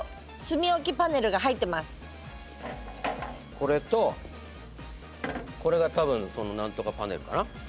これとこれが多分その何とかパネルかな？